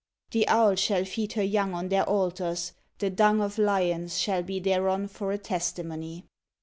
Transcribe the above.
The owl shall feed her young on their altars; the dung of lions shall be thereon for a testi mony.